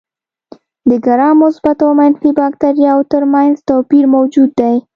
د ګرام مثبت او منفي باکتریاوو تر منځ توپیر موجود دی.